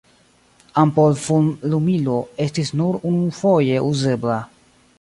Ampol-fulmlumilo estis nur unufoje uzebla.